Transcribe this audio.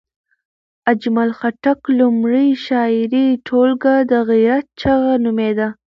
اجمل خټک لومړۍ شعري ټولګه د غیرت چغه نومېده.